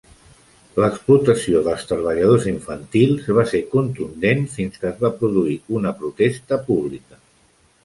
L'explotació dels treballadors infantils va ser contundent fins que es va produir una protesta pública.